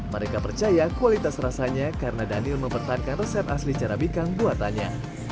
mereka percaya kualitas rasanya karena daniel mempertahankan resep asli carabikang buatannya